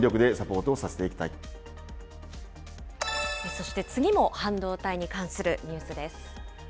そして、次も半導体に関するニュースです。